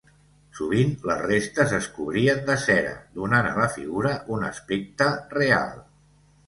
Sovint, les restes es cobrien de cera, donant a la figura un aspecte real.